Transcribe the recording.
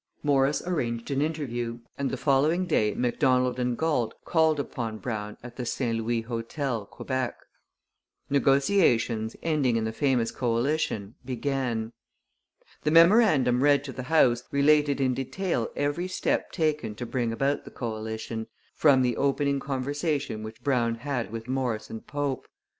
Morris arranged an interview, and the following day Macdonald and Galt called upon Brown at the St Louis Hotel, Quebec. Negotiations, ending in the famous coalition, began. The memorandum read to the House related in detail every step taken to bring about the coalition, from the opening conversation which Brown had with Morris and Pope.